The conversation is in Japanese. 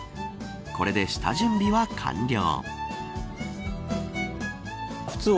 これで下準備は完了。